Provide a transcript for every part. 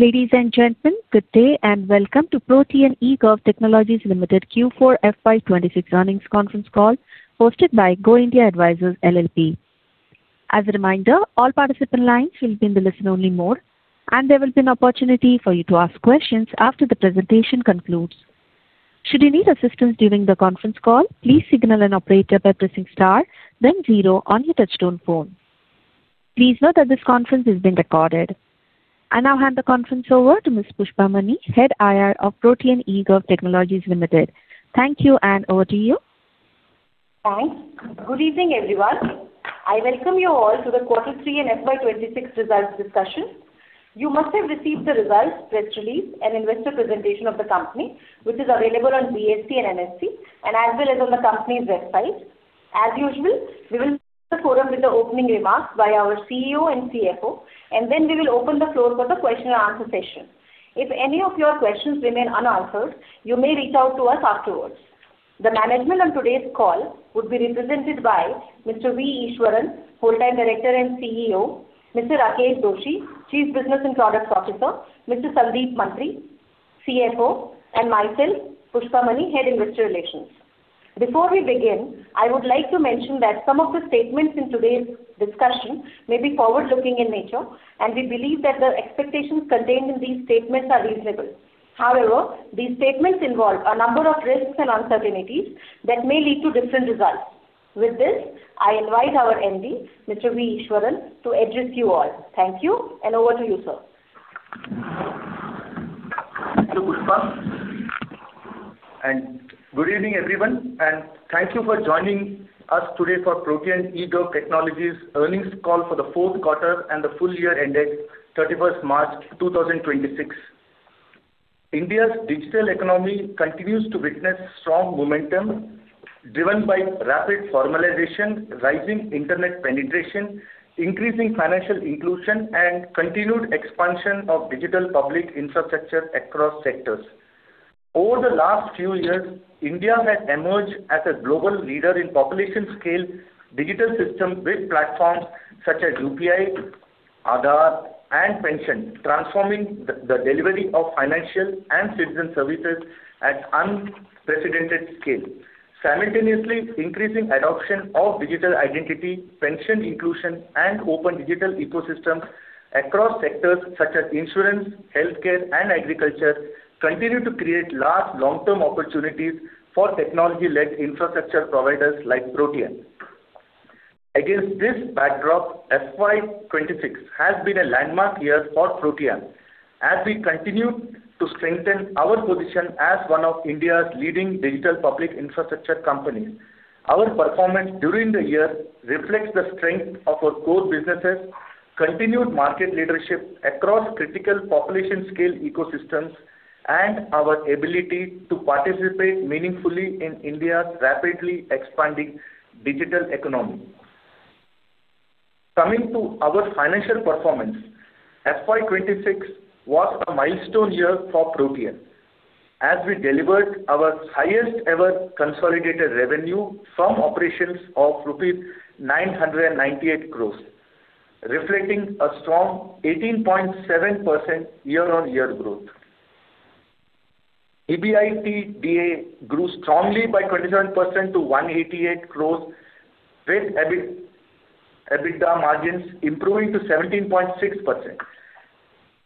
Ladies and gentlemen, good day and welcome to Protean eGov Technologies Ltd Q4 FY 2026 earnings conference call hosted by Go India Advisors LLP. As a reminder, all participant lines will be in the listen only mode, and there will be an opportunity for you to ask questions after the presentation concludes. Should you need assistance during the conference call, please signal an operator by pressing star then zero on your touchtone phone. Please note that this conference is being recorded. I now hand the conference over to Ms. Pushpa Mani, Head IR of Protean eGov Technologies Limited. Thank you. Over to you. Thanks. Good evening, everyone. I welcome you all to the Q3 and FY 2026 results discussion. You must have received the results, press release, and investor presentation of the company, which is available on BSE and NSE, as well as on the company's website. As usual, we will start the forum with the opening remarks by our CEO and CFO, and then we will open the floor for the question and answer session. If any of your questions remain unanswered, you may reach out to us afterwards. The management on today's call will be represented by Mr. V. Easwaran, Full-Time Director and CEO; Mr. Rakesh Dosi, Chief Business and Products Officer; Mr. Sandeep Mantri, CFO; and myself, Pushpa Mani, Head Investor Relations. Before we begin, I would like to mention that some of the statements in today's discussion may be forward-looking in nature, and we believe that the expectations contained in these statements are reasonable. However, these statements involve a number of risks and uncertainties that may lead to different results. With this, I invite our MD, Mr. V. Easwaran, to address you all. Thank you, and over to you, sir. Hello, Pushpa, and good evening, everyone. Thank you for joining us today for Protean eGov Technologies earnings call for the Q4 and the full year ended March 31st, 2026. India's digital economy continues to witness strong momentum, driven by rapid formalization, rising internet penetration, increasing financial inclusion, and continued expansion of digital public infrastructure across sectors. Over the last few years, India has emerged as a global leader in population-scale digital systems with platforms such as UPI, Aadhaar, and Pension, transforming the delivery of financial and citizen services at unprecedented scale. Simultaneously, increasing adoption of digital identity, pension inclusion, and open digital ecosystems across sectors such as insurance, healthcare, and agriculture continue to create large long-term opportunities for technology-led infrastructure providers like Protean. Against this backdrop, FY 2026 has been a landmark year for Protean as we continue to strengthen our position as one of India's leading digital public infrastructure companies. Our performance during the year reflects the strength of our core businesses, continued market leadership across critical population scale ecosystems, and our ability to participate meaningfully in India's rapidly expanding digital economy. Coming to our financial performance, FY 2026 was a milestone year for Protean as we delivered our highest ever consolidated revenue from operations of rupees 998 crores, reflecting a strong 18.7% year-on-year growth. EBITDA grew strongly by 27% to 188 crores, with EBITDA margins improving to 17.6%.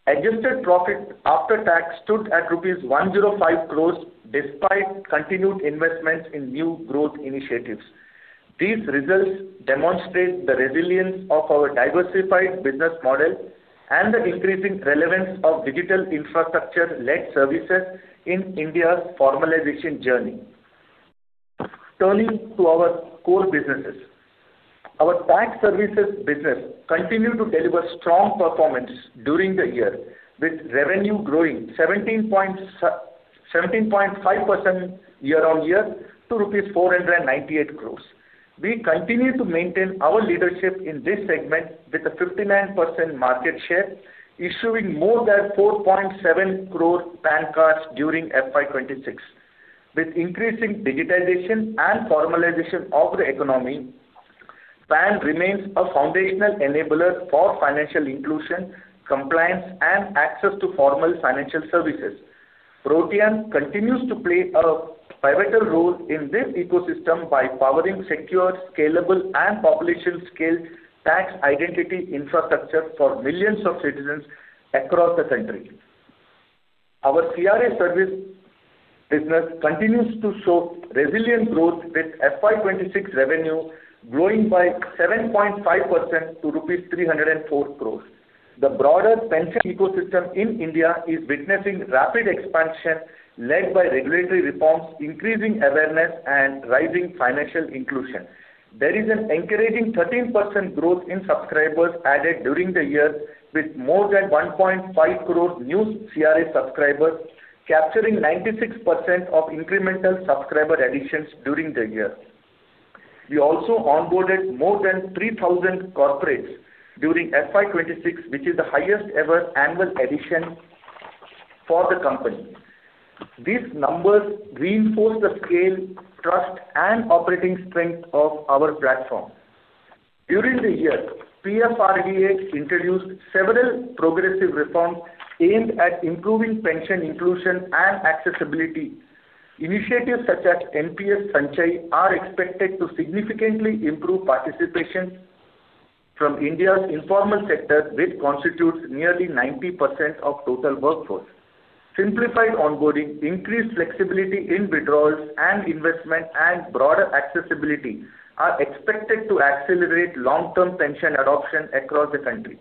Adjusted profit after tax stood at rupees 105 crores despite continued investments in new growth initiatives. These results demonstrate the resilience of our diversified business model and the increasing relevance of digital infrastructure-led services in India's formalization journey. Turning to our core businesses. Our PAN Services business continued to deliver strong performance during the year, with revenue growing 17.5% year-on-year to rupees 498 crores. We continue to maintain our leadership in this segment with a 59% market share, issuing more than 4.7 crore PAN cards during FY 2026. With increasing digitization and formalization of the economy, PAN remains a foundational enabler for financial inclusion, compliance, and access to formal financial services. Protean continues to play a pivotal role in this ecosystem by powering secure, scalable, and population-scale tax identity infrastructure for millions of citizens across the country. Our CRA Service business continues to show resilient growth, with FY 2026 revenue growing by 7.5% to rupees 304 crores. The broader pension ecosystem in India is witnessing rapid expansion led by regulatory reforms, increasing awareness, and rising financial inclusion. There is an encouraging 13% growth in subscribers added during the year, with more than 1.5 crore new CRA subscribers, capturing 96% of incremental subscriber additions during the year. We also onboarded more than 3,000 corporates during FY 2026, which is the highest ever annual addition for the company. These numbers reinforce the scale, trust, and operating strength of our platform. During the year, PFRDA introduced several progressive reforms aimed at improving pension inclusion and accessibility. Initiatives such as NPS Sanchay are expected to significantly improve participation from India's informal sector, which constitutes nearly 90% of total workforce. Simplified onboarding, increased flexibility in withdrawals and investment, and broader accessibility are expected to accelerate long-term pension adoption across the country.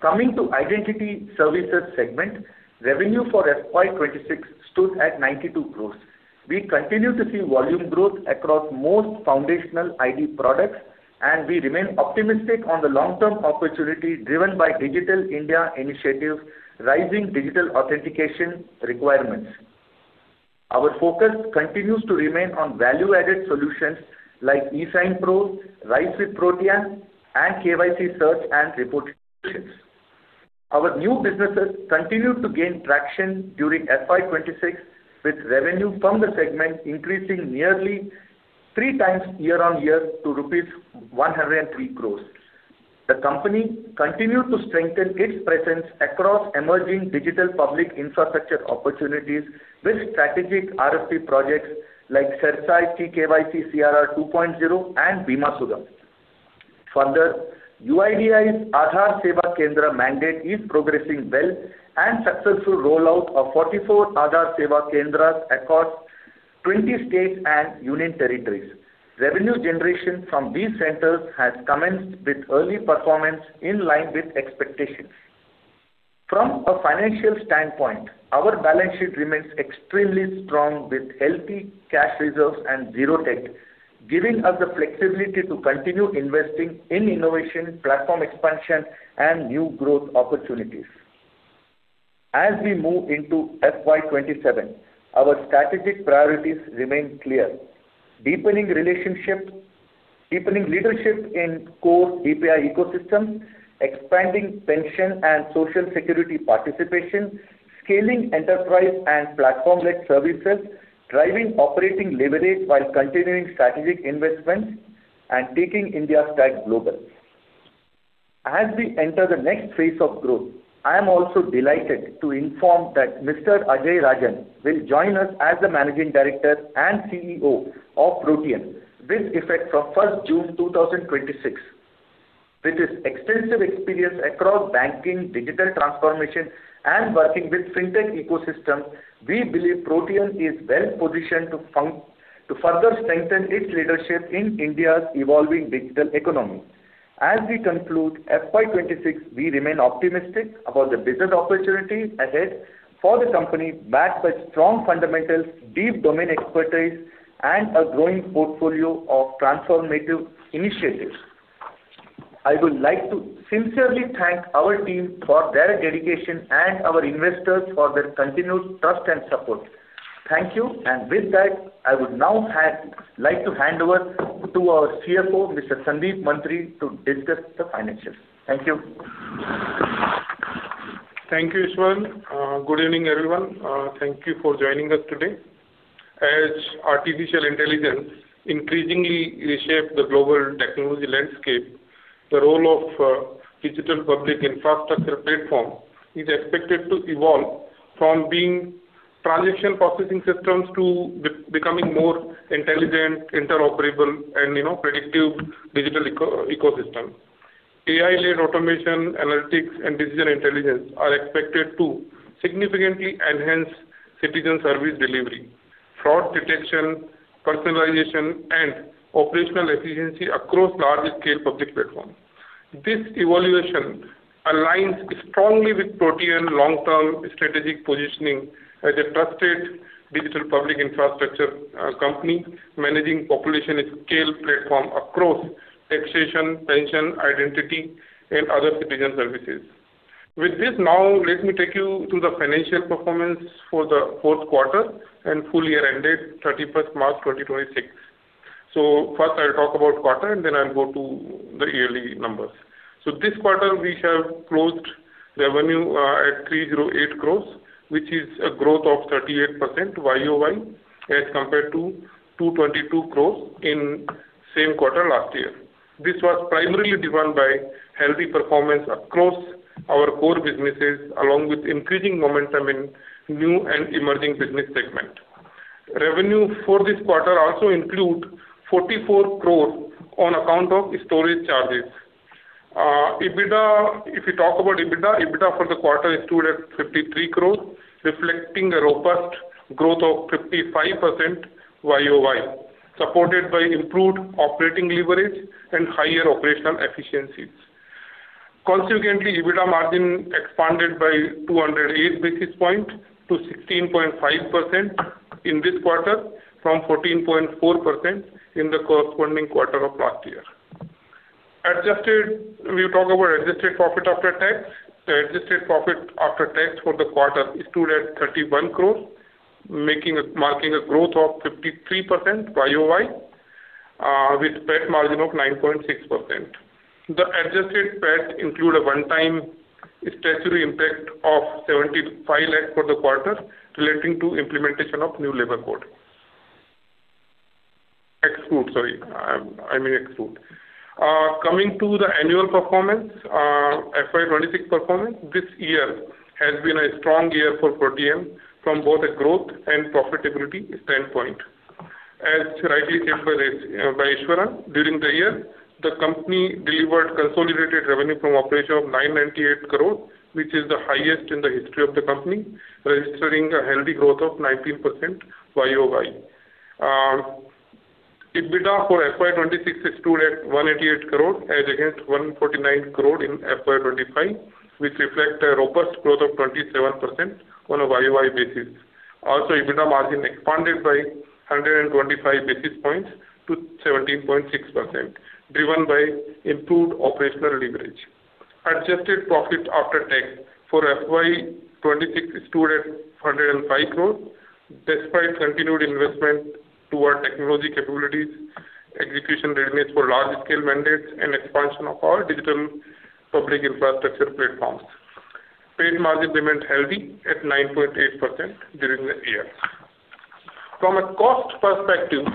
Coming to identity services segment, revenue for FY 2026 stood at 92 crore. We continue to see volume growth across most foundational ID products. We remain optimistic on the long-term opportunity driven by Digital India initiatives, rising digital authentication requirements. Our focus continues to remain on value-added solutions like eSignPro, RISE with Protean, and KYC search and report solutions. Our new businesses continued to gain traction during FY 2026, with revenue from the segment increasing nearly 3x year-on-year to rupees 103 crores. The company continued to strengthen its presence across emerging digital public infrastructure opportunities with strategic RFP projects like CERSAI T-CKYC, CKYCRR 2.0, and Bima Sugam. Further, UIDAI's Aadhaar Seva Kendra mandate is progressing well and successful rollout of 44 Aadhaar Seva Kendras across 20 states and union territories. Revenue generation from these centers has commenced with early performance in line with expectations. From a financial standpoint, our balance sheet remains extremely strong with healthy cash reserves and zero debt, giving us the flexibility to continue investing in innovation, platform expansion, and new growth opportunities. As we move into FY 2027, our strategic priorities remain clear. Deepening leadership in core DPI ecosystem, expanding pension and Social Security participation, scaling enterprise and platform-led services, driving operating leverage while continuing strategic investments, and taking India Stack global. As we enter the next phase of growth, I am also delighted to inform that Mr. Ajay Rajan will join us as the Managing Director and Chief Executive Officer of Protean. This effect from June 1st, 2026. With his extensive experience across banking, digital transformation, and working with fintech ecosystem, we believe Protean is well-positioned to further strengthen its leadership in India's evolving digital economy. As we conclude FY 2026, we remain optimistic about the business opportunities ahead for the company backed by strong fundamentals, deep domain expertise, and a growing portfolio of transformative initiatives. I would like to sincerely thank our team for their dedication and our investors for their continued trust and support. Thank you. With that, I would now like to hand over to our CFO, Mr. Sandeep Mantri, to discuss the financials. Thank you. Thank you, V. Easwaran. Good evening, everyone. Thank you for joining us today. As artificial intelligence increasingly reshape the global technology landscape, the role of digital public infrastructure platform is expected to evolve from being transaction processing systems to becoming more intelligent, interoperable, and predictive digital ecosystem. AI-led automation, analytics, and decision intelligence are expected to significantly enhance citizen service delivery, fraud detection, personalization, and operational efficiency across large-scale public platforms. This evolution aligns strongly with Protean long-term strategic positioning as a trusted digital public infrastructure company, managing population-at-scale platform across taxation, pension, identity, and other citizen services. With this now, let me take you to the financial performance for the Q4 and full year ended March 31st, 2026. First, I'll talk about quarter, and then I'll go to the yearly numbers. This quarter, we have closed revenue at 308 crores, which is a growth of 38% YoY as compared to 222 crores in same quarter last year. This was primarily driven by healthy performance across our core businesses, along with increasing momentum in new and emerging business segment. Revenue for this quarter also include 44 crores on account of storage charges. If you talk about EBITDA for the quarter stood at 53 crores, reflecting a robust growth of 55% YoY, supported by improved operating leverage and higher operational efficiencies. Consequently, EBITDA margin expanded by 208 basis points to 16.5% in this quarter from 14.4% in the corresponding quarter of last year. We talk about adjusted profit after tax. Adjusted profit after tax for the quarter stood at 31 crores, marking a growth of 53% YoY with PAT margin of 9.6%. The adjusted PAT include a one-time statutory impact of 75 lakhs for the quarter relating to implementation of new labor code. Exclude, sorry. I mean, exclude. Coming to the annual performance, FY 2026 performance. This year has been a strong year for Protean from both a growth and profitability standpoint. As rightly said by Easwaran, during the year, the company delivered consolidated revenue from operation of 998 crore, which is the highest in the history of the company, registering a healthy growth of 19% YoY. EBITDA for FY 2026 stood at 188 crore as against 149 crore in FY 2025, which reflect a robust growth of 27% on a YoY basis. Also, EBITDA margin expanded by 125 basis points to 17.6%, driven by improved operational leverage. Adjusted profit after tax for FY 2026 stood at INR 105 crore despite continued investment toward technology capabilities, execution readiness for large-scale mandates, and expansion of our digital public infrastructure platforms. PAT margin remained healthy at 9.8% during the year. From a cost perspective,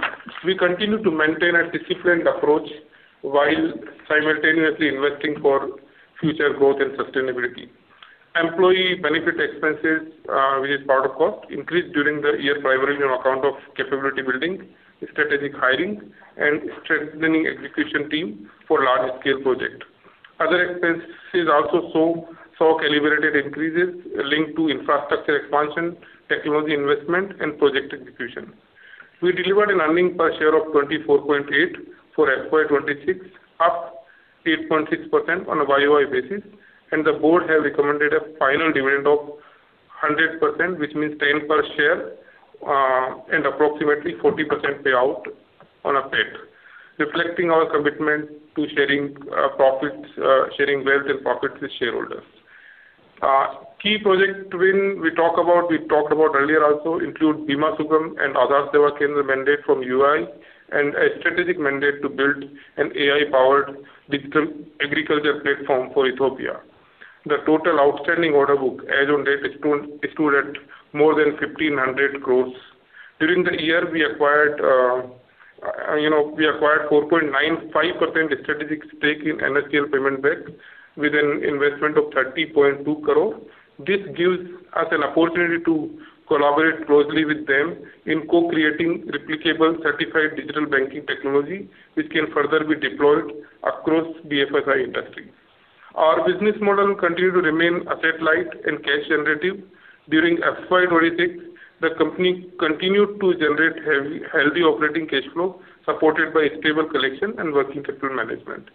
we continue to maintain a disciplined approach while simultaneously investing for future growth and sustainability. Employee benefit expenses, which is part of cost, increased during the year, primarily on account of capability building, strategic hiring, and strengthening execution team for large-scale project. Other expenses also saw calibrated increases linked to infrastructure expansion, technology investment, and project execution. We delivered an earnings per share of 24.8 for FY 2026, up 8.6% on a year-over-year basis, and the board has recommended a final dividend of 100%, which means 10 per share, and approximately 40% payout on our PAT, reflecting our commitment to sharing wealth and profits with shareholders. Key project win we talked about earlier also include Bima Sugam and Aadhaar Seva Kendra mandate from UIDAI and a strategic mandate to build an AI-powered digital agriculture platform for Ethiopia. The total outstanding order book as on date stood at more than 1,500 crore. During the year, we acquired 4.95% strategic stake in NSDL Payments Bank with an investment of 30.2 crore. This gives us an opportunity to collaborate closely with them in co-creating replicable certified digital banking technology, which can further be deployed across BFSI industry. Our business model continue to remain asset-light and cash generative. During FY 2026, the company continued to generate healthy operating cash flow supported by stable collection and working capital management.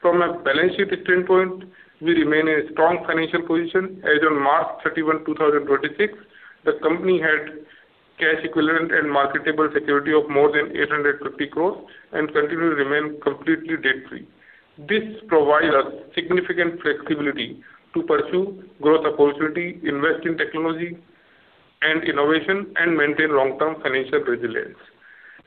From a balance sheet standpoint, we remain in a strong financial position. As on March 31, 2026, the company had cash equivalent and marketable security of more than 850 crore and continue to remain completely debt-free. This provides us significant flexibility to pursue growth opportunity, invest in technology and innovation and maintain long-term financial resilience.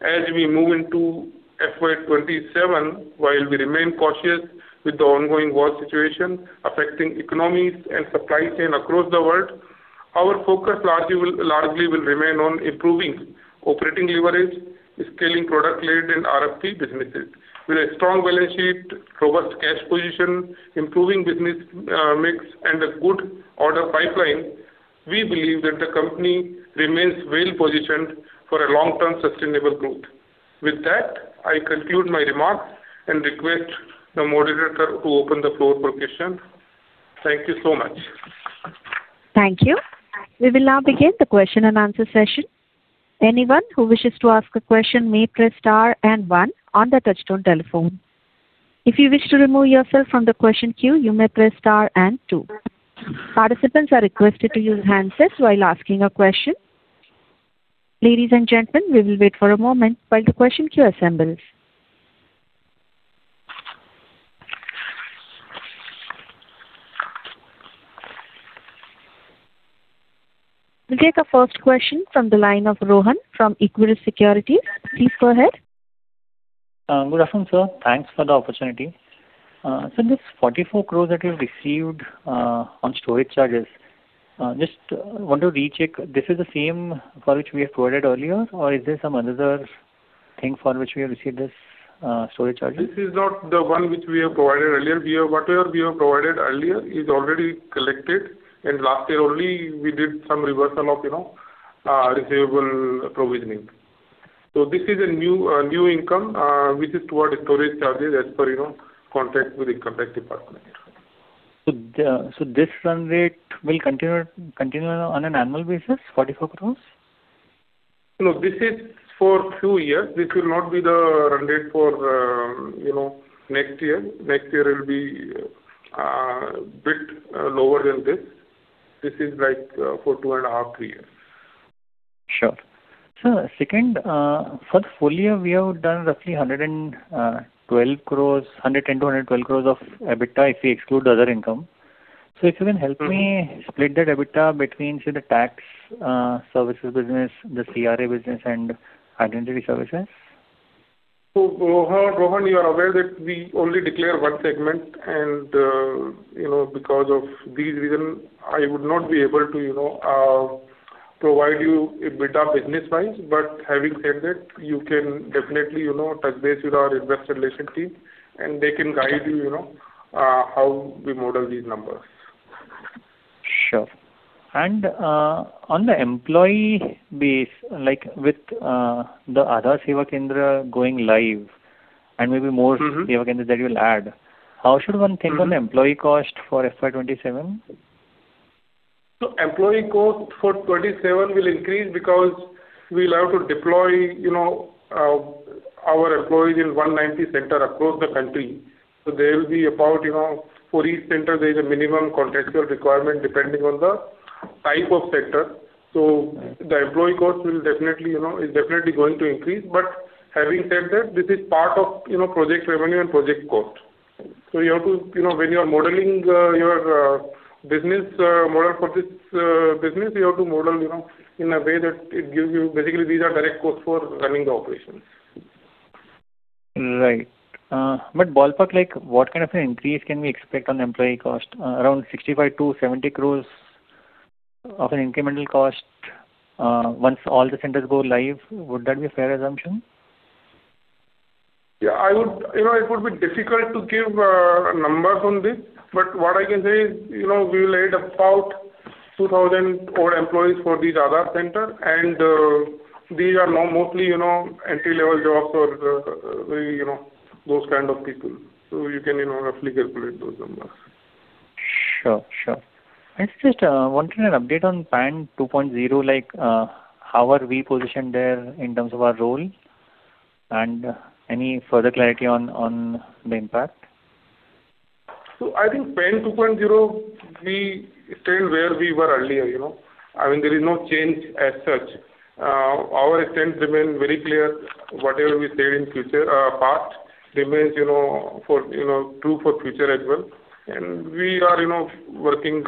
As we move into FY 2027, while we remain cautious with the ongoing war situation affecting economies and supply chain across the world, our focus largely will remain on improving operating leverage, scaling product lead and RFP businesses. With a strong balance sheet, robust cash position, improving business mix, and a good order pipeline, we believe that the company remains well-positioned for a long-term sustainable growth. With that, I conclude my remarks and request the moderator to open the floor for questions. Thank you so much. Thank you. We will now begin the question and answer session. Anyone who wishes to ask a question may press star and one on the touchtone telephone. If you wish to remove yourself from the question queue, you may press star and two. Participants are requested to use handsets while asking a question. Ladies and gentlemen, we will wait for a moment while the question queue assembles. We'll take the first question from the line of Rohan from Equirus Securities. Please go ahead. Good afternoon, sir. Thanks for the opportunity. Sir, this 44 crores that you've received on storage charges. Just want to recheck. This is the same for which we have provided earlier, or is there some another thing for which we have received this storage charges? This is not the one which we have provided earlier. Whatever we have provided earlier is already collected. Last year only we did some reversal of receivable provisioning. This is a new income, which is toward storage charges as per contract with the contract department. This run rate will continue on an annual basis, 44 crores? No, this is for two year. This will not be the run rate for next year. Next year it'll be a bit lower than this. This is like for two and a half, three years. Sure. Sir, second, for the full year, we have done roughly 110 crore-112 crore of EBITDA if we exclude the other income. If you can help me split the EBITDA between, say, the tax services business, the CRA business, and identity services. Rohan, you are aware that we only declare one segment, and because of this reason, I would not be able to provide you EBITDA business-wise. Having said that, you can definitely touch base with our investor relations team, and they can guide you how we model these numbers. Sure. on the employee base, like with the Aadhaar Seva Kendra going live. Seva Kendra that you will add, how should one think on the employee cost for FY 2027? Employee cost for 2027 will increase because we'll have to deploy our employees in 190 centers across the country. There will be about, for each center, there is a minimum contractual requirement depending on the type of sector. The employee cost is definitely going to increase. Having said that, this is part of project revenue and project cost. When you are modeling your business model for this business, you have to model in a way that it gives you, basically these are direct costs for running the operations. Right. Ballpark, what kind of an increase can we expect on employee cost? Around 65-70 crores of an incremental cost once all the centers go live. Would that be a fair assumption? It would be difficult to give numbers on this. What I can say is, we will add about 2,000 core employees for these Aadhaar centers. These are mostly entry-level jobs for those kind of people. You can roughly calculate those numbers. Sure. Just wanted an update on PAN 2.0, like how are we positioned there in terms of our role? Any further clarity on the impact? I think PAN 2.0, we stand where we were earlier. There is no change as such. Our stand remains very clear. Whatever we said in past remains true for future as well. We are working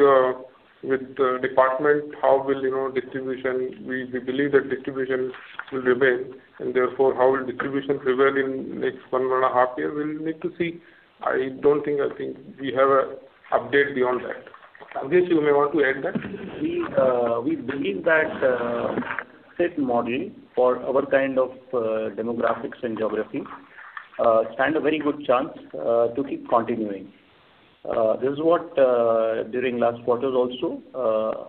with the department. We believe that distribution will remain, and therefore, how will distribution prevail in the next one and a half years, we'll need to see. I don't think we have an update beyond that. Rakesh, you may want to add that. We believe that the same model for our kind of demographics and geography stand a very good chance to keep continuing. This is what, during last quarters also,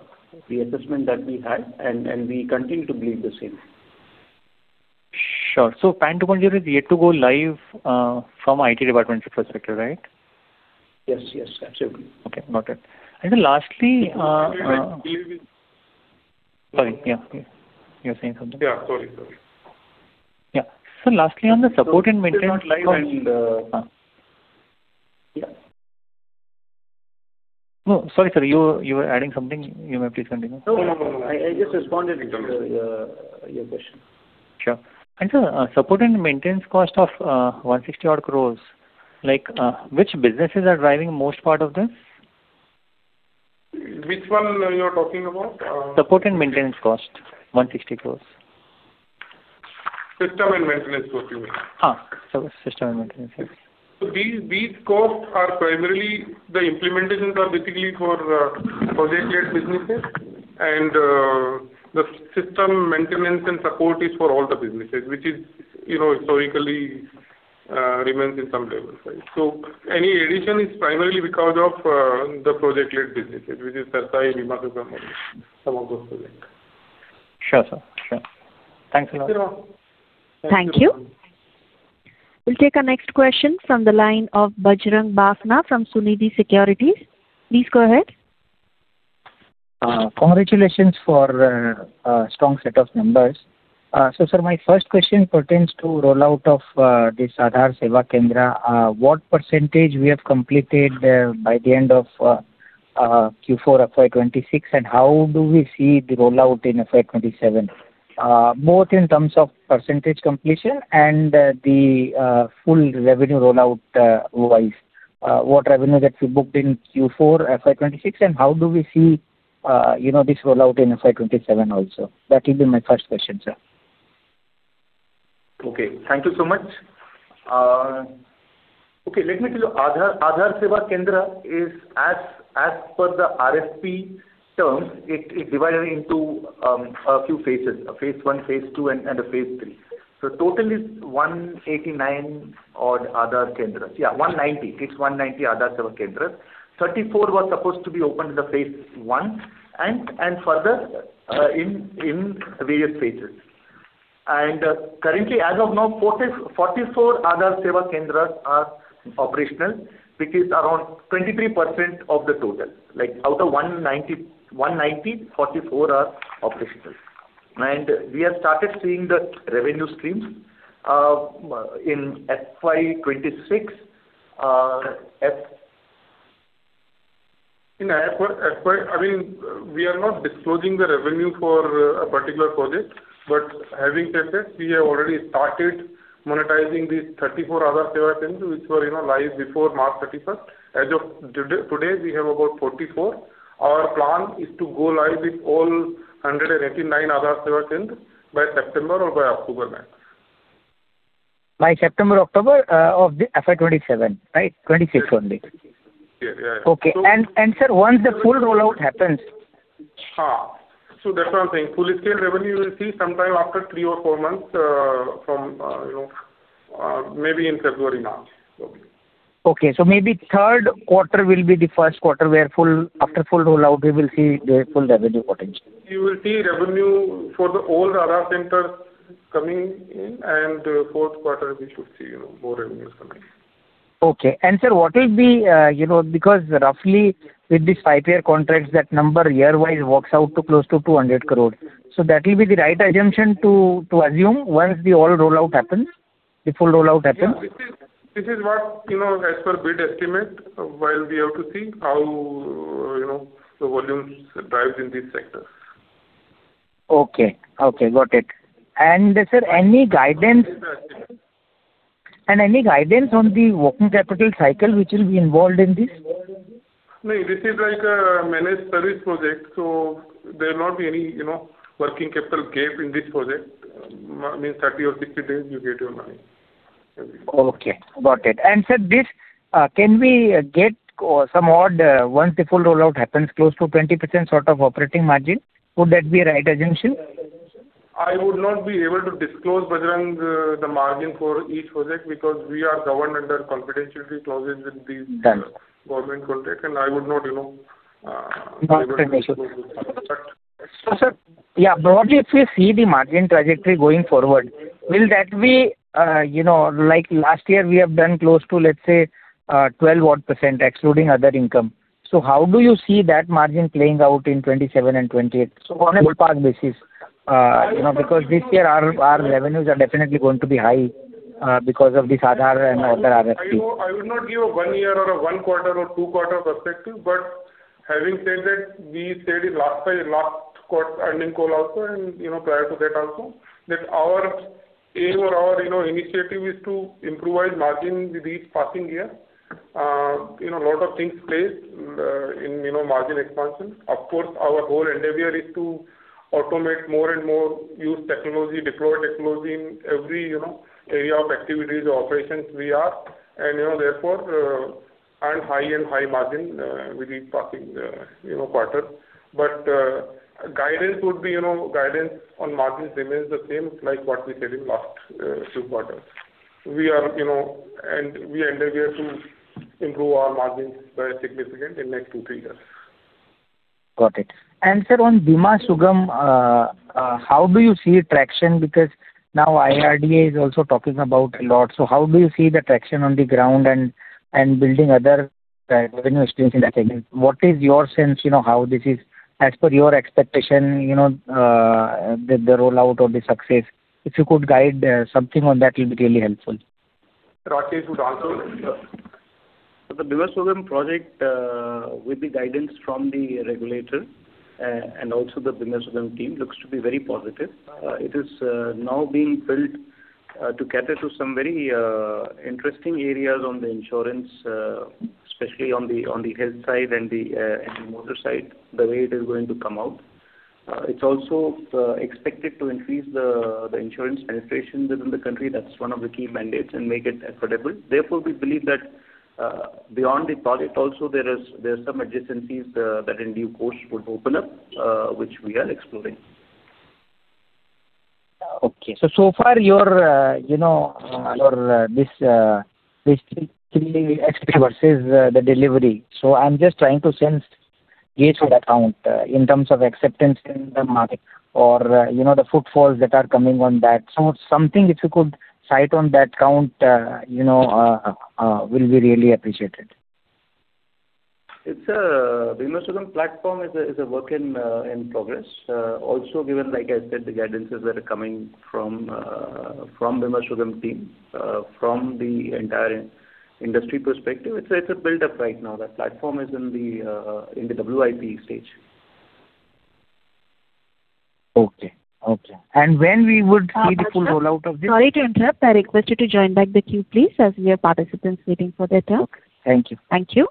the assessment that we had, and we continue to believe the same. Sure. PAN 2.0 is yet to go live from IT department infrastructure, right? Yes. Absolutely. Okay, got it. We believe in- Sorry. You were saying something? Yeah, sorry. Yeah. lastly, on the support and maintenance. It is not live. No, sorry, sir, you were adding something. You may please continue. No, I just responded to your question. Sure. Sir, support and maintenance cost of 160 odd crores, which businesses are driving most part of this? Which one are you talking about? Support and maintenance cost, 160 crores. System and maintenance cost, you mean? Okay, system and maintenance. These costs are primarily, the implementations are basically for project-led businesses, and the system maintenance and support is for all the businesses, which historically remains at some level. Any addition is primarily because of the project-led businesses, which is CERSAI, Bima Sugam, some of those projects. Sure, sir. Thanks a lot. Thank you. Thank you. Thank you. We'll take our next question from the line of Bajrang Bafna from Sunidhi Securities. Please go ahead. Congratulations for a strong set of numbers. Sir, my first question pertains to rollout of this Aadhaar Seva Kendra. What percentage we have completed by the end of Q4 FY 2026, how do we see the rollout in FY 2027, both in terms of percentage completion and the full revenue rollout wise? What revenue that we booked in Q4 FY 2026, how do we see this rollout in FY 2027 also? That will be my first question, sir. Okay. Thank you so much. Let me tell you, Aadhaar Seva Kendra is, as per the RFP terms, it is divided into a few phases, a phase I, phase II, and a phase III. Total is 189 odd Aadhaar Kendras. Yeah, 190. It's 190 Aadhaar Seva Kendras. 34 were supposed to be opened in the phase I and further in various phases. Currently, as of now, 44 Aadhaar Seva Kendras are operational, which is around 23% of the total. Out of 190, 44 are operational. We have started seeing the revenue streams in FY 2026. I mean, we are not disclosing the revenue for a particular project. Having said that, we have already started monetizing these 34 Aadhaar service centers which were live before March 31st. As of today, we have about 44. Our plan is to go live with all 189 Aadhaar service centers by September or by October max. By September, October of the FY 2027, right? 2026 only. Yeah. Okay. Sir, once the full rollout happens- That's what I'm saying. Full scale revenue we will see sometime after three or four months from maybe in February, March. Maybe Q3 will be the Q1 where after full rollout, we will see the full revenue potential? You will see revenue for the old Aadhaar centers coming in and Q4 we should see more revenues coming in. Okay. Sir, because roughly with this five-year contract, that number year-wise works out to close to 200 crore. That will be the right assumption to assume once the all rollout happens, the full rollout happens? Yeah. This is what, as per bid estimate, while we have to see how the volumes drives in this sector. Okay. Got it. Any guidance on the working capital cycle which will be involved in this? No, this is like a managed service project, so there'll not be any working capital gap in this project. I mean, 30 days or 60 days, you get your money. Okay, got it. Sir, can we get some idea once the full rollout happens, close to 20% sort of operating margin? Would that be right assumption? I would not be able to disclose, Bajrang, the margin for each project because we are governed under confidentiality clauses with this- Done -government contract and I would not- Got it. Understood. -be able to disclose this. Sir, broadly, if we see the margin trajectory going forward, will that be like last year we have done close to 12% excluding other income? How do you see that margin playing out in 2027 and 2028? On a ballpark basis. This year our revenues are definitely going to be high because of this Aadhaar and other RFPs. I would not give a one year or a one quarter or two quarter perspective. Having said that, we said in last earnings call also and prior to that also, that our aim or our initiative is to improve our margin with each passing year. A lot of things play in margin expansion. Of course, our whole endeavor is to automate more and more, use technology, deploy technology in every area of activities or operations we are. Therefore, earn high and high margin with each passing quarter. Guidance on margins remains the same, like what we said in last few quarters. We endeavor to improve our margins by a significant in next two, three years. Got it. Sir, on Bima Sugam, how do you see traction? Now IRDAI is also talking about a lot. How do you see the traction on the ground and building other revenue streams in that segment? What is your sense, how this is as per your expectation the rollout or the success? If you could guide something on that, it'll be really helpful. Rakesh would answer on this. The Bima Sugam project with the guidance from the regulator and also the Bima Sugam team looks to be very positive. It is now being built to cater to some very interesting areas on the insurance, especially on the health side and the motor side, the way it is going to come out. It is also expected to increase the insurance penetration within the country. That is one of the key mandates, and make it affordable. We believe that beyond the project also there are some adjacencies that in due course would open up which we are exploring. Okay. So far this versus the delivery. I'm just trying to sense in terms of acceptance in the market or the footfalls that are coming on that. Something if you could cite on that account will be really appreciated. Bima Sugam platform is a work in progress. Also given, like I said, the guidances that are coming from Bima Sugam team from the entire industry perspective, it's a build-up right now. The platform is in the WIP stage. Okay. When we would see the full rollout of this? Sorry to interrupt. I request you to join back the queue, please, as we have participants waiting for their turn. Thank you. Thank you.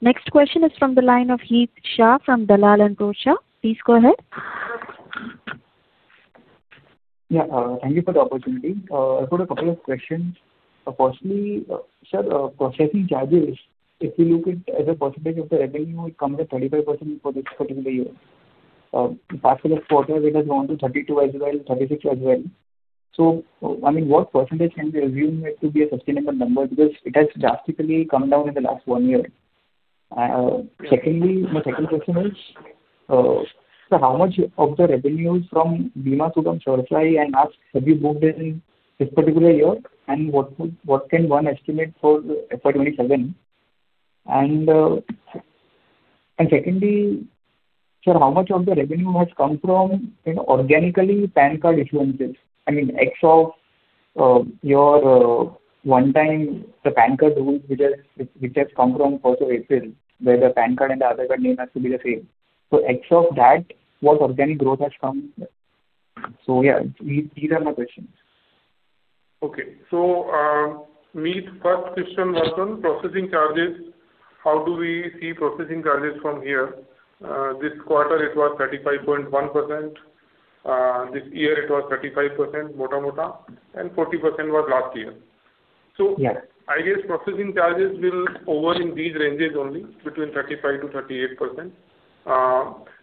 Next question is from the line of Het Shah from Dalal & Broacha. Please go ahead. Yeah. Thank you for the opportunity. I've got a couple of questions. Firstly, sir, processing charges, if you look at as a percentage of the revenue, it comes at 35% for this particular year. Past few quarters it has gone to 32 as well, 36 as well. I mean, what percentage can we assume it to be a sustainable number? Because it has drastically come down in the last one year. Secondly, my second question is, sir, how much of the revenues from Bima Sugam, CERSAI and ASK moved in this particular year and what can one estimate for FY 2027? Sir, how much of the revenue has come from organically PAN card issuances? I mean, ex of your one time, the PAN card rule which has come from, where the PAN card and Aadhaar card name has to be the same. ex of that, what organic growth has come? Yeah, these are my questions. Okay. Het Shah, first question was on processing charges. How do we see processing charges from here? This quarter it was 35.1%, this year it was 35% approximately, 40% was last year. Yeah. I guess processing charges will hover in these ranges only, between 35%-38%.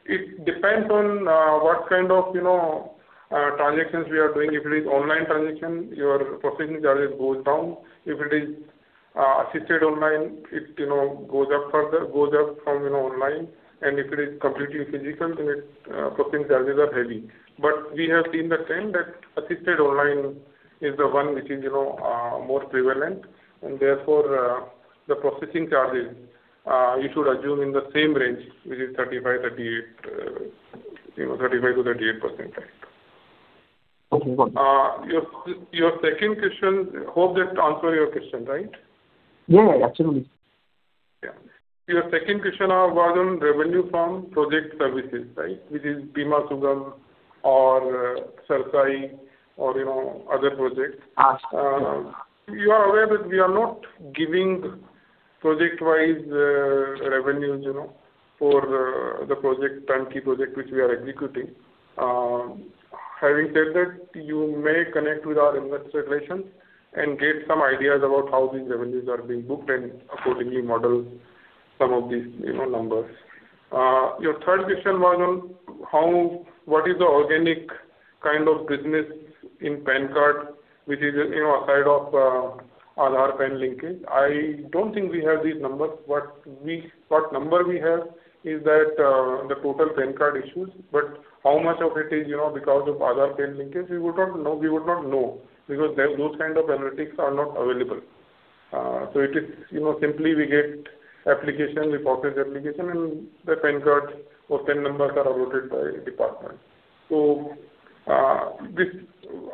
It depends on what kind of transactions we are doing. If it is online transaction, your processing charges goes down. If it is assisted online, it goes up from online. If it is completely physical, then its processing charges are heavy. We have seen the trend that assisted online is the one which is more prevalent, and therefore, the processing charges, you should assume in the same range, which is 35%-38% range. Okay, got it. Your second question, hope that answered your question, right? Yeah. Absolutely. Yeah. Your second question was on revenue from project services, right? Which is Bima Sugam or CERSAI or other projects. Yes. You are aware that we are not giving project-wise revenues for the turnkey project which we are executing. Having said that, you may connect with our investor relations and get some ideas about how these revenues are being booked and accordingly model some of these numbers. Your third question was on what is the organic kind of business in PAN card, which is aside of Aadhaar-PAN linkage. I don't think we have these numbers. What number we have is that the total PAN card issues, but how much of it is because of Aadhaar-PAN linkage, we would not know, because those kind of analytics are not available. It is simply we get application, we process the application, and the PAN cards or PAN numbers are allotted by department.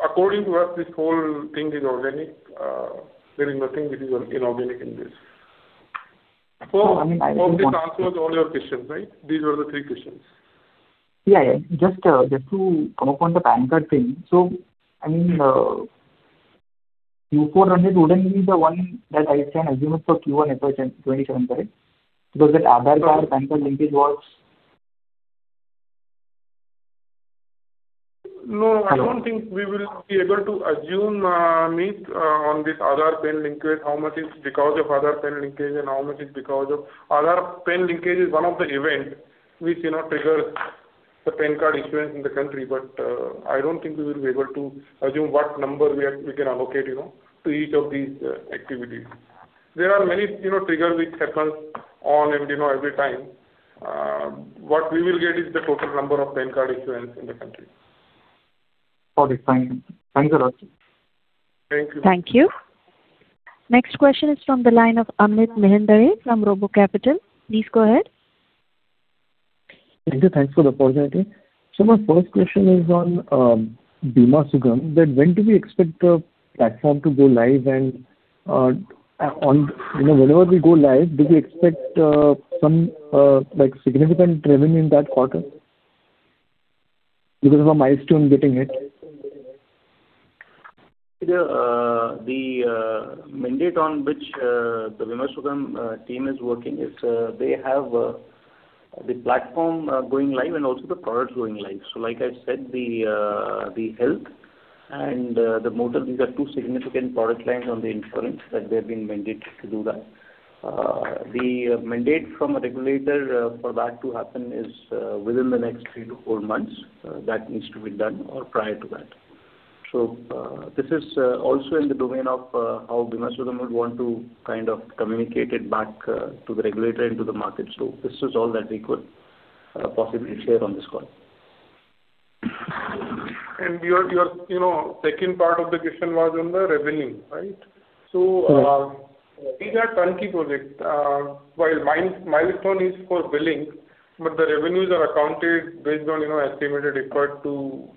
According to us, this whole thing is organic. There is nothing which is inorganic in this. I mean. Hope this answers all your questions, right? These were the three questions. Yeah. Just to come up on the PAN card thing. I mean, Q4 earnings wouldn't be the one that I can assume it for Q1 FY 2027, right? Because that Aadhaar card-PAN card linkage was No, I don't think we will be able to assume, Het Shah, on this Aadhaar-PAN linkage, how much is because of Aadhaar-PAN linkage and how much is because of Aadhaar-PAN linkage is one of the event which triggers the PAN card issuance in the country. I don't think we will be able to assume what number we can allocate to each of these activities. There are many triggers which happen every time. What we will get is the total number of PAN card issuance in the country. Okay, fine. Thanks a lot. Thank you. Thank you. Next question is from the line of Amit Mehendale from RoboCapital. Please go ahead. Nitya, thanks for the opportunity. My first question is on Bima Sugam. When do we expect the platform to go live and whenever we go live, do we expect some significant revenue in that quarter because of a milestone getting hit? The mandate on which the Bima Sugam team is working is they have the platform going live and also the products going live. Like I said, the health and the motor, these are two significant product lines on the insurance that they have been mandated to do that. The mandate from a regulator for that to happen is within the next three to four months. That needs to be done or prior to that. This is also in the domain of how Bima Sugam would want to communicate it back to the regulator and to the market. This is all that we could possibly share on this call. Your second part of the question was on the revenue, right? Yes. These are turnkey projects. While milestone is for billing, but the revenues are accounted based on estimated effort to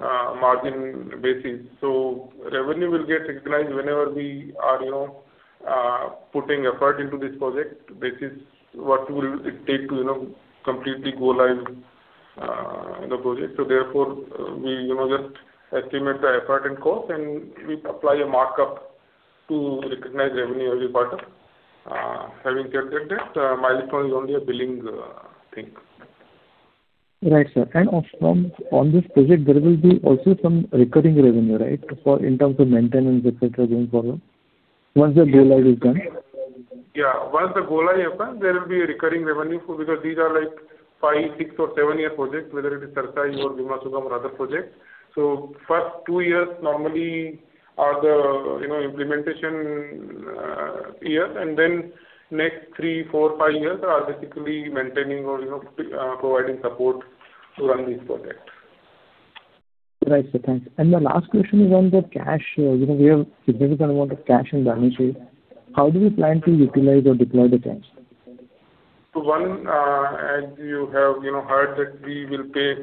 margin basis. Revenue will get recognized whenever we are putting effort into this project. This is what will it take to completely go live in the project. Therefore, we just estimate the effort and cost, and we apply a markup to recognize revenue every quarter. Having said that, milestone is only a billing thing. Right, sir. On this project, there will be also some recurring revenue, right? In terms of maintenance, et cetera, going forward once the go-live is done. Yeah. Once the go-live happens, there will be a recurring revenue because these are five, six, or seven-year projects, whether it is CERSAI or Bima Sugam or other projects. First two years normally are the implementation year, and then next three, four, five years are basically maintaining or providing support to run this project. Right, sir. Thanks. My last question is on the cash. We have a significant amount of cash in the balance sheet. How do we plan to utilize or deploy the cash? One, as you have heard that we will pay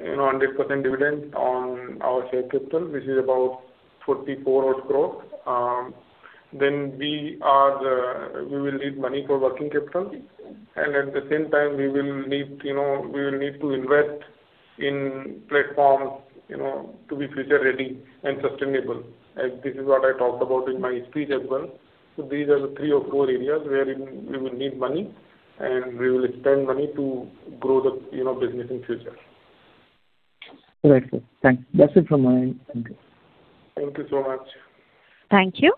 100% dividend on our share capital, which is about 44 odd crores. We will need money for working capital, and at the same time, we will need to invest in platforms to be future-ready and sustainable. This is what I talked about in my speech as well. These are the three or four areas where we will need money, and we will spend money to grow the business in future. Correct, sir. Thanks. That's it from my end. Thank you. Thank you so much. Thank you.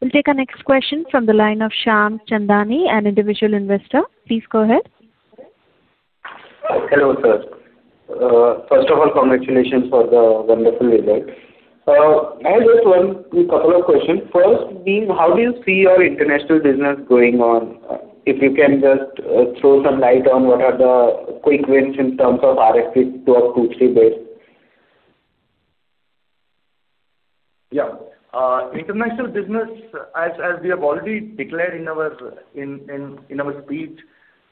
We'll take our next question from the line of Shyam Chandani, an individual investor. Please go ahead. Hello, sir. First of all, congratulations for the wonderful result. I have just one couple of questions. First being, how do you see your international business going on? If you can just throw some light on what are the quick wins in terms of RFP to a crucial base. Yeah. International business, as we have already declared in our speech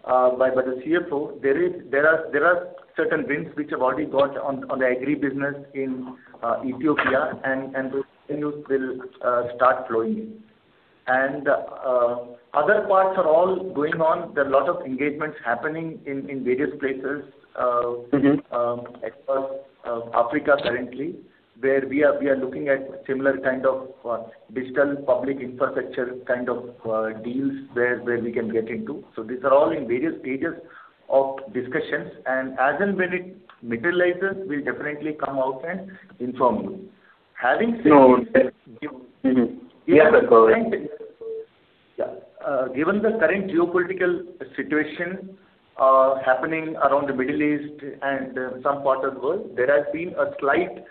by the CFO, there are certain wins which we've already got on the agri business in Ethiopia, and those revenues will start flowing in. Other parts are all going on. There are a lot of engagements happening in various places. Across Africa currently, where we are looking at similar kind of digital public infrastructure kind of deals where we can get into. These are all in various stages of discussions, and as and when it materializes, we'll definitely come out and inform you. Having said that. No. Yeah, go ahead. Given the current geopolitical situation happening around the Middle East and some parts of the world, there has been a slight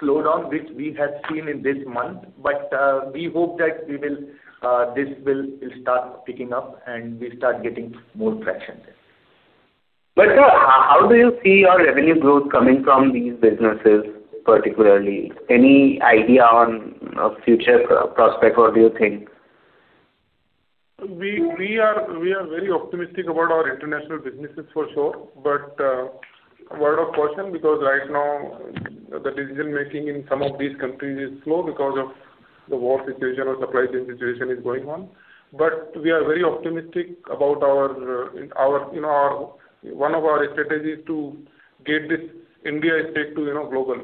slowdown, which we have seen in this month. We hope that this will start picking up, and we start getting more traction there. Sir, how do you see your revenue growth coming from these businesses, particularly? Any idea on a future prospect, or do you think? We are very optimistic about our international businesses for sure. Word of caution, because right now the decision-making in some of these countries is slow because of the war situation or supply chain situation is going on. We are very optimistic. One of our strategy is to get this India Stack to global.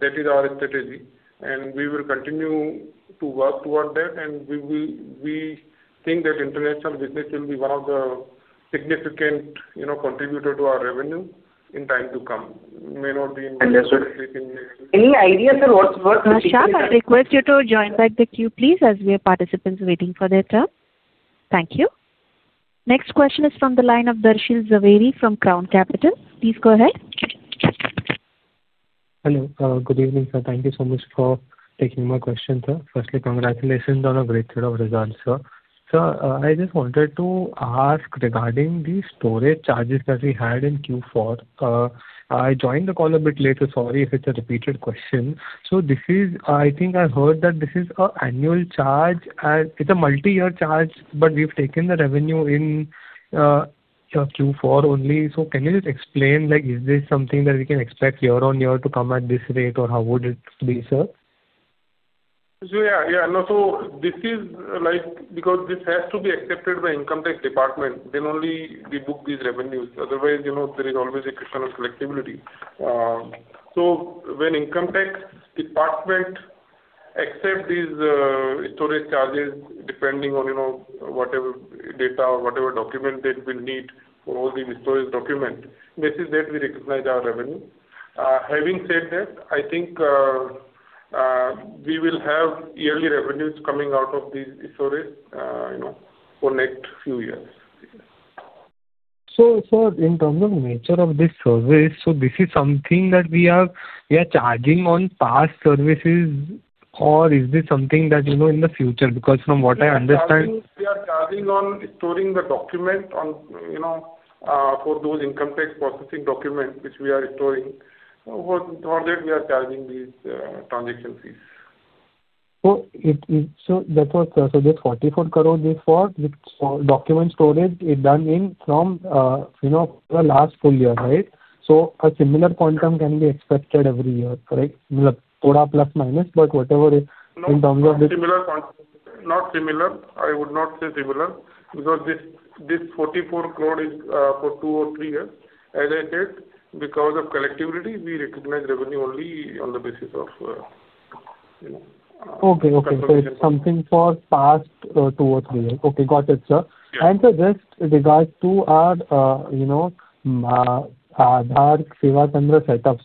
That is our strategy, and we will continue to work toward that, and we think that international business will be one of the significant contributor to our revenue in time to come. Any idea, sir, what's the? Shyam, I request you to join back the queue, please, as we have participants waiting for their turn. Thank you. Next question is from the line of Darshil Jhaveri from Crown Capital. Please go ahead. Hello. Good evening, sir. Thank you so much for taking my question, sir. Firstly, congratulations on a great set of results, sir. Sir, I just wanted to ask regarding the storage charges that we had in Q4. I joined the call a bit later. Sorry if it's a repeated question. I think I heard that this is an annual charge. It's a multi-year charge, but we've taken the revenue in your Q4 only. Can you just explain, is this something that we can expect year-over-year to come at this rate, or how would it be, sir? Yeah. This is because this has to be accepted by Income Tax Department, then only we book these revenues. Otherwise, there is always a question of collectability. When Income Tax Department accept these storage charges, depending on whatever data or whatever document that we'll need for all these storage document, this is where we recognize our revenue. Having said that, I think we will have yearly revenues coming out of these storage for next few years. In terms of nature of this service, this is something that we are charging on past services, or is this something that in the future? We are charging on storing the document for those income tax processing documents which we are storing. For that, we are charging these transaction fees. That was, sir, so this 44 crore is for document storage is done in from the last full year, right? A similar quantum can be expected every year, correct? Little plus, minus, but whatever is in terms of this. No, similar quantum. Not similar. I would not say similar because this 44 crore is for two or three years. As I said, because of collectability, we recognize revenue only on the basis of- Okay. It's something for past two or three years. Okay, got it, sir. Yeah. Sir, just regards to our Aadhaar Seva Kendra setup.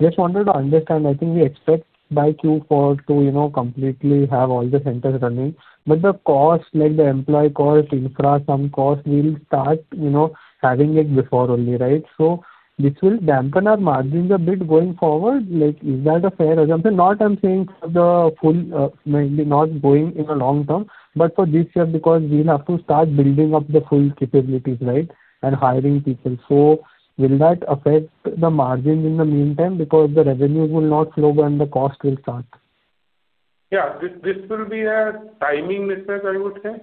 Just wanted to understand, I think we expect by Q4 to completely have all the centers running. The cost, like the employee cost, infra, some cost will start having like before only, right? This will dampen our margins a bit going forward. Is that a fair assumption? Not I'm saying for the full, maybe not going in the long term, but for this year because we'll have to start building up the full capabilities, right? Hiring people. Will that affect the margin in the meantime because the revenue will not flow and the cost will start? Yeah. This will be a timing mismatch, I would say,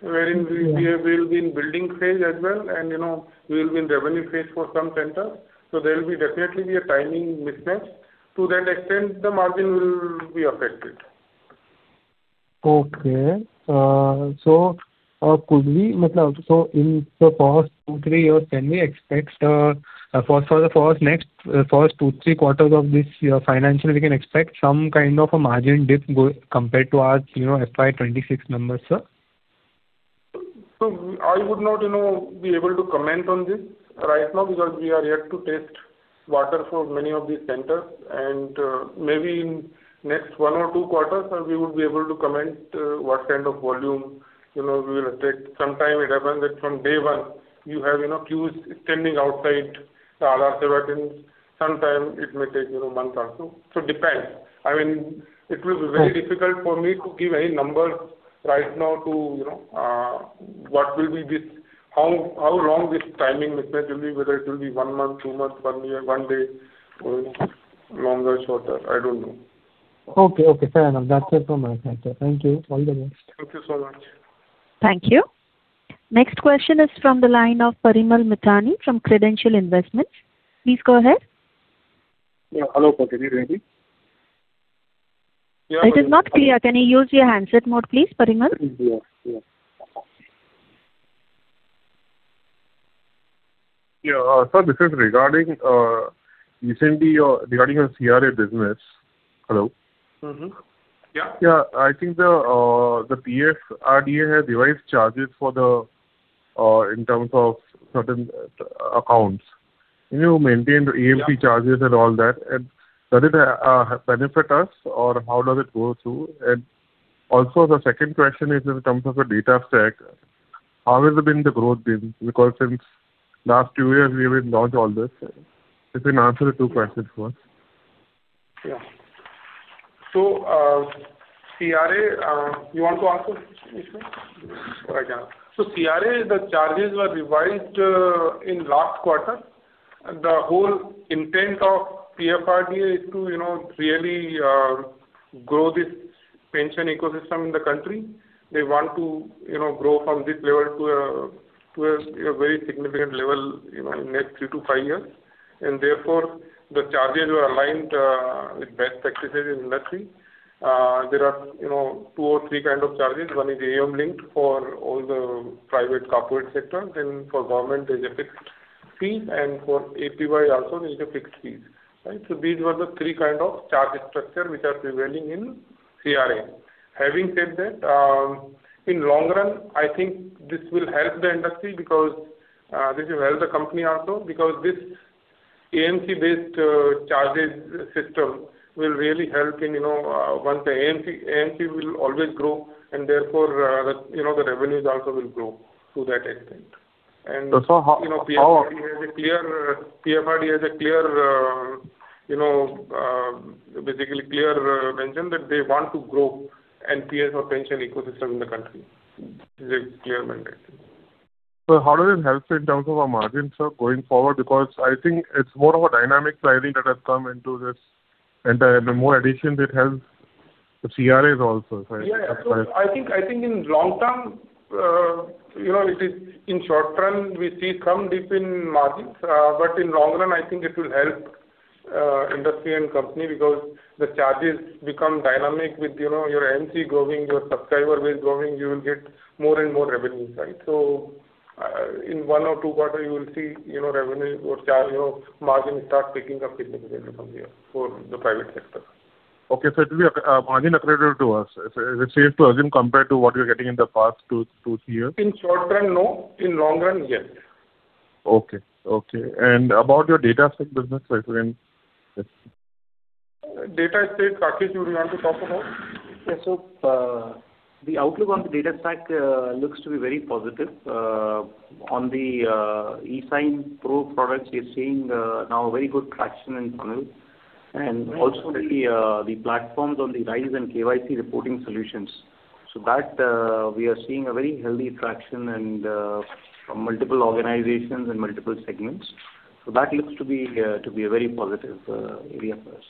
wherein we will be in building phase as well, and we will be in revenue phase for some centers. There will definitely be a timing mismatch. To that extent, the margin will be affected. Okay. In the first two, three years, for the first two, three quarters of this financial, we can expect some kind of a margin dip compared to our FY 2026 numbers, sir? I would not be able to comment on this right now because we are yet to test waters for many of these centers, and maybe in the next one or two quarters, we would be able to comment what kind of volume we will attract. Sometimes it happens that from day one you have queues extending outside the Aadhaar center. Sometimes it may take a month or two. It depends. It will be very difficult for me to give any numbers right now to what will be this, how long this timing mismatch will be, whether it will be one month, two months, one year, one day, or longer or shorter, I don't know. Okay. Fair enough. That's it from my side, sir. Thank you. All the best. Thank you so much. Thank you. Next question is from the line of Parimal Mithani from Credential Investments. Please go ahead. Hello, Parimal. Can you hear me? It is not clear. Can you use your handset mode, please, Parimal? Yeah. Sir, this is regarding recently your CRA business. Hello. Yeah. I think the PFRDA has revised charges in terms of certain accounts. You maintain the AMC charges and all that. Does it benefit us or how does it go through? Also, the second question is in terms of the Data Stack, how has the growth been? Because since last two years, we have been launched all this. If you can answer the two questions for us. CRA, you want to answer, Vishnu? Or I can. CRA, the charges were revised in last quarter. The whole intent of PFRDA is to really grow this pension ecosystem in the country. They want to grow from this level to a very significant level in next three to five years. Therefore, the charges were aligned with best practices in industry. There are two or three kind of charges. One is AUM linked for all the private corporate sector. Then for government, there's a fixed fee, and for APY also there's a fixed fees. These were the three kind of charge structure which are prevailing in CRA. Having said that, in long run, I think this will help the industry because this will help the company also, because this AMC-based charges system will really help in, once the AMC will always grow, and therefore, the revenues also will grow to that extent. So how- PFRDA has a, basically, clear mention that they want to grow NPS or pension ecosystem in the country. This is a clear mandate. How does it help in terms of our margins, sir, going forward? I think it's more of a dynamic pricing that has come into this and the more additions it has, the CRAs also, sir. I think in short run, we see some dip in margins. In long run, I think it will help industry and company because the charges become dynamic with your AMC growing, your subscriber base growing, you will get more and more revenue side. In one or two quarters, you will see revenue or margin start picking up significantly from here for the private sector. Okay, it will be a margin accretive to us. Is it safe to assume compared to what you were getting in the past two, three years? In short run, no. In long run, yes. Okay. About your Data Stack business, sir, if you can just. Data Stack, Rakesh Dosi, do you want to talk about? The outlook on the Data Stack looks to be very positive. On the eSignPro products, we are seeing now a very good traction in funnel. Also the platforms on the RISE and KYC reporting solutions. That we are seeing a very healthy traction and from multiple organizations and multiple segments. That looks to be a very positive area for us.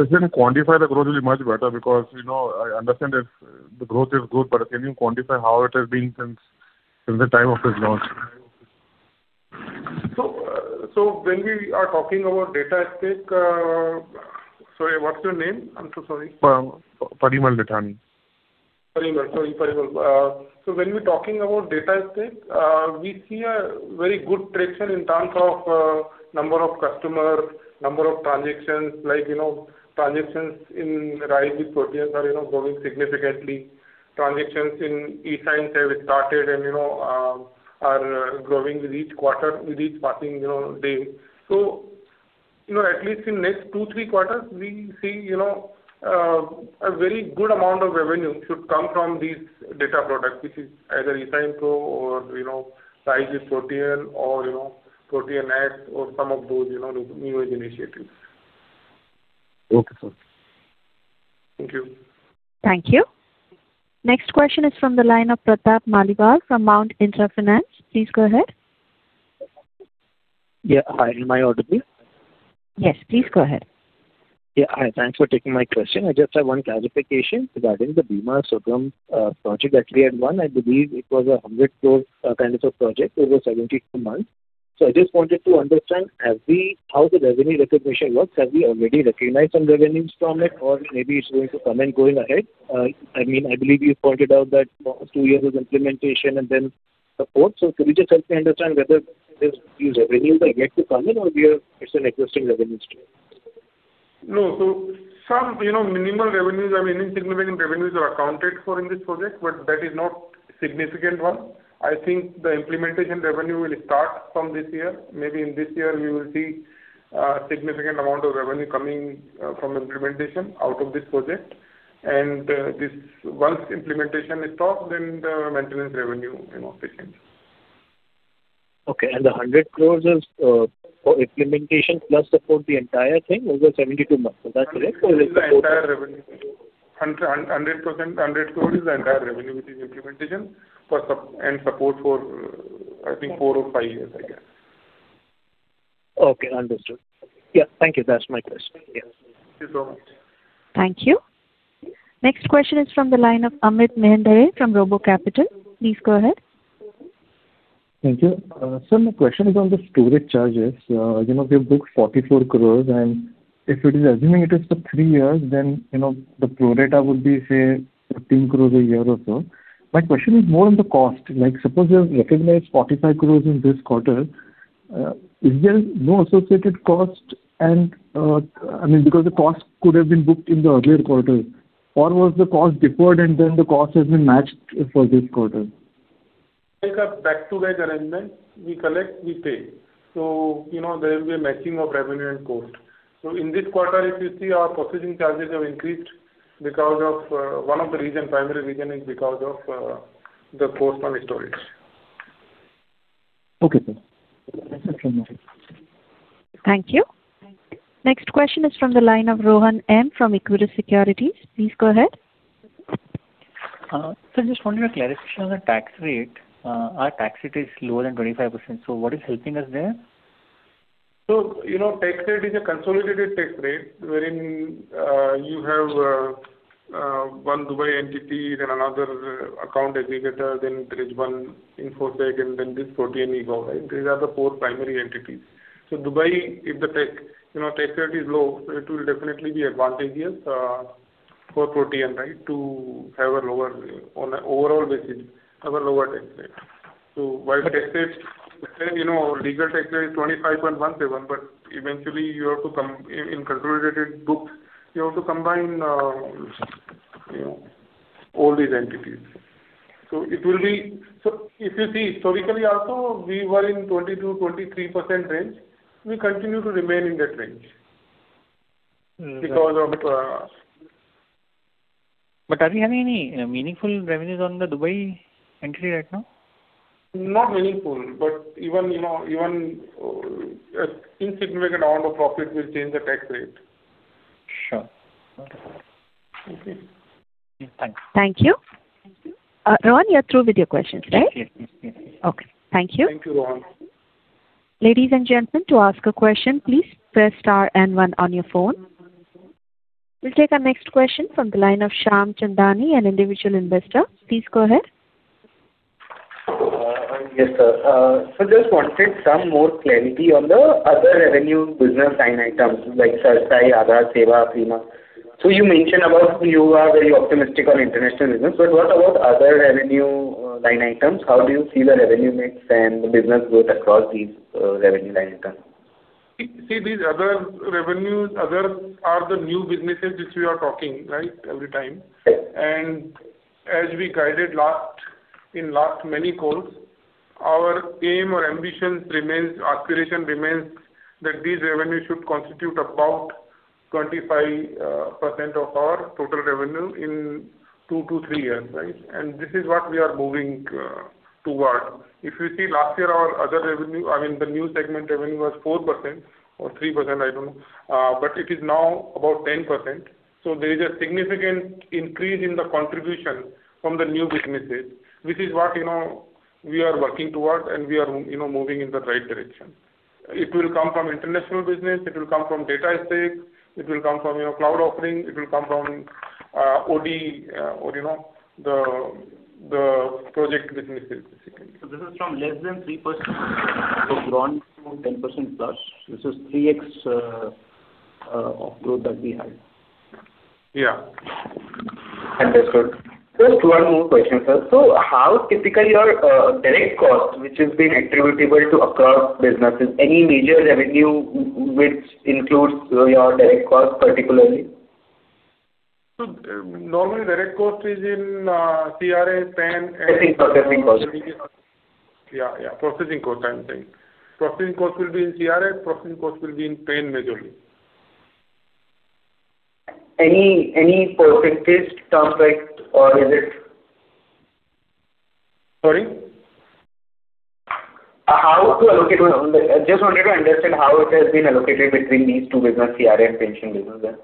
Sir, can you quantify the growth will be much better because I understand that the growth is good, but can you quantify how it has been since the time of its launch? When we are talking about Data Stack Sorry, what's your name? I'm so sorry. Parimal Mithani. Parimal. Sorry, Parimal. When we're talking about Data Stack, we see a very good traction in terms of number of customers, number of transactions, like transactions in RISE with Protean are growing significantly. Transactions in eSignPro have started and are growing with each passing day. At least in next two, three quarters, we see a very good amount of revenue should come from these data products, which is either eSignPro or RISE with Protean or ProteanX or some of those new age initiatives. Okay, sir. Thank you. Thank you. Next question is from the line of Pratap Maliwal from Mount Intra Finance. Please go ahead. Yeah. Hi, am I audible? Yes, please go ahead. Yeah. Hi. Thanks for taking my question. I just have one clarification regarding the Bima Sugam project that we had won. I believe it was an 100 crore kind of project over 72 months. I just wanted to understand how the revenue recognition works. Have we already recognized some revenues from it, or maybe it's going to come in going ahead? I believe you pointed out that two years of implementation and then support. Could you just help me understand whether these revenues are yet to come in or it's an existing revenue stream? No. Some minimal revenues, I mean, insignificant revenues are accounted for in this project, but that is not significant one. I think the implementation revenue will start from this year. Maybe in this year, we will see a significant amount of revenue coming from implementation out of this project. Once implementation is done, then the maintenance revenue kicks in. Okay. The 100 crores is for implementation plus support the entire thing over 72 months. Is that correct? Or is it support- 100 crore is the entire revenue, which is implementation and support for, I think four or five years, I guess. Okay, understood. Yeah, thank you. That's my question. Yeah. Thank you so much. Thank you. Next question is from the line of Amit Mehendale from RoboCapital. Please go ahead. Thank you. Sir, my question is on the storage charges. We have booked 44 crores and if it is assuming it is for three years, then the pro data would be, say, 13 crores a year or so. My question is more on the cost. Suppose we have recognized 45 crores in this quarter, is there no associated cost? The cost could have been booked in the earlier quarter. Was the cost deferred, and then the cost has been matched for this quarter? It's a back-to-back arrangement. We collect, we pay. There will be a matching of revenue and cost. In this quarter, if you see our processing charges have increased. One of the primary reason is because of the cost on the storage. Okay, sir. Thanks for your time. Thank you. Next question is from the line of Rohan M. from Equirus Securities. Please go ahead. Sir, just wanted a clarification on the tax rate. Our tax rate is lower than 25%. What is helping us there? Tax rate is a consolidated tax rate, wherein you have one Dubai entity, then another account aggregator, then there is one Infosec, and then this Protean eGov. These are the four primary entities. Dubai, if the tax rate is low, it will definitely be advantageous for Protean, right, to have a lower on an overall basis, have a lower tax rate. While the tax rate, legal tax rate is 25.17%, but eventually in consolidated books, you have to combine all these entities. If you see historically also, we were in 22%-23% range. We continue to remain in that range because of it. Are we having any meaningful revenues on the Dubai entity right now? Not meaningful, but even insignificant amount of profit will change the tax rate. Sure. Okay. Okay. Thanks. Thank you. Rohan, you're through with your questions, right? Yes. Okay. Thank you. Thank you, Rohan. Ladies and gentlemen, to ask a question, please press star and one on your phone. We'll take our next question from the line of Shyam Chandani, an individual investor. Please go ahead. Yes, sir. Just wanted some more clarity on the other revenue business line items like CERSAI, Aadhaar, Seva, Bima. You mentioned about you are very optimistic on international business, but what about other revenue line items? How do you see the revenue mix and the business growth across these revenue line items? These other revenues are the new businesses which we are talking every time. As we guided in last many calls, our aim or ambitions remains, aspiration remains that these revenues should constitute about 25% of our total revenue in two to three years, right. This is what we are moving toward. If you see last year, our other revenue, I mean, the new segment revenue was 4% or 3%, I don't know. It is now about 10%. There is a significant increase in the contribution from the new businesses, which is what we are working towards, and we are moving in the right direction. It will come from international business. It will come from Data Stack. It will come from cloud offering. It will come from ODE or the project businesses, basically. This is from less than 3% grown to 10%+. This is 3x of growth that we had. Yeah. Understood. Just one more question, sir. How typically are direct cost, which has been attributable to across businesses, any major revenue which includes your direct cost particularly? Normally, direct cost is in CRA, PAN, and- Processing cost. Yeah, processing cost. I am saying. Processing cost will be in CRA, processing cost will be in PAN, majorly. Any percentages term like or is it? Sorry. I just wanted to understand how it has been allocated between these two businesses, CRA and pension business then.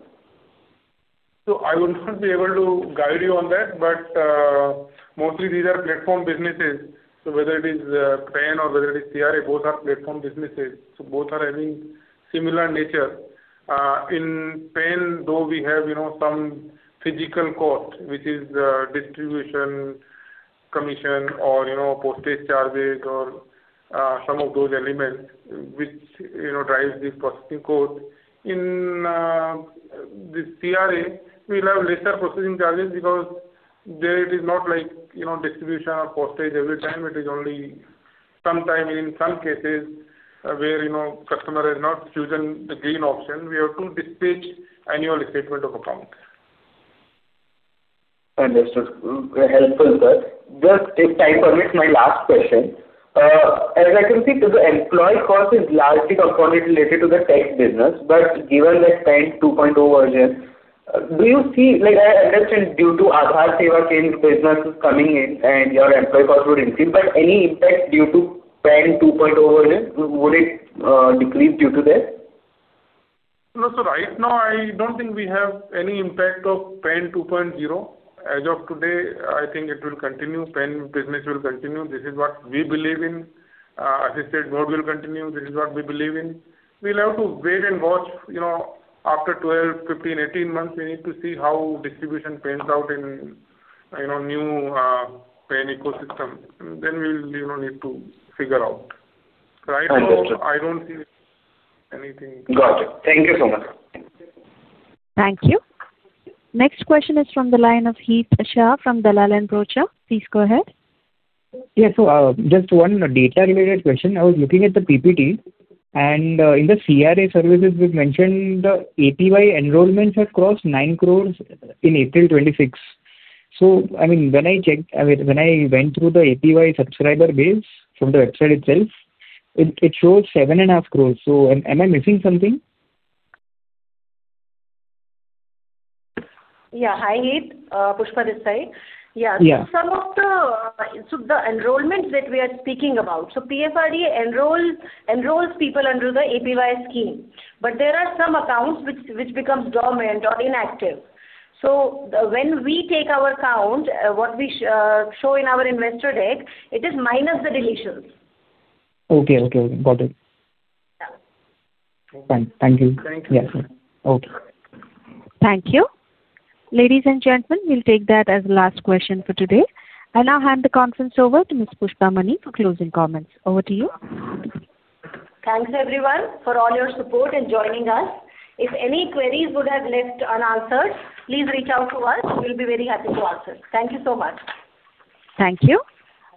I will not be able to guide you on that, but mostly these are platform businesses, whether it is PAN or whether it is CRA, both are platform businesses. Both are having similar nature. In PAN, though, we have some physical cost, which is distribution commission or postage charges or some of those elements which drive this processing cost. In the CRA, we have lesser processing charges because there it is not like distribution or postage every time. It is only sometime in some cases where customer has not chosen the green option, we have to dispatch annual statement of account. Understood. Helpful, sir. Just if time permits, my last question. As I can see, so the employee cost is largely component related to the tech business, but given the PAN 2.0 version, I understand due to Aadhaar Seva business is coming in and your employee cost would increase, but any impact due to PAN 2.0 version, would it decrease due to that? No, sir. Right now, I don't think we have any impact of PAN 2.0. As of today, I think it will continue. PAN business will continue. This is what we believe in. Assisted mode will continue. This is what we believe in. We'll have to wait and watch. After 12, 15, 18 months, we need to see how distribution pans out in new PAN ecosystem. We'll need to figure out. Understood. Right now, I don't see anything. Got it. Thank you so much. Thank you. Next question is from the line of Het Shah from Dalal & Broacha. Please go ahead. Yeah. Just one data-related question. I was looking at the PPT, and in the CRA services, it mentioned APY enrollments had crossed 9 crores in April 2026. When I went through the APY subscriber base from the website itself, it shows seven and a half crores. Am I missing something? Yeah. Hi, Het. Pushpa this side. Yeah. The enrollments that we are speaking about. PFRDA enrolls people under the APY scheme. There are some accounts which becomes dormant or inactive. When we take our count, what we show in our investor deck, it is minus the deletions. Okay. Got it. Yeah. Thank you. Thank you. Yeah. Okay. Thank you. Ladies and gentlemen, we'll take that as the last question for today. I now hand the conference over to Ms. Pushpa Mani for closing comments. Over to you. Thanks everyone for all your support and joining us. If any queries would have left unanswered, please reach out to us. We'll be very happy to answer. Thank you so much. Thank you.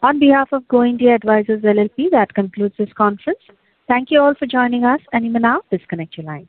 On behalf of Go India Advisors LLP, that concludes this conference. Thank you all for joining us, and you may now disconnect your lines.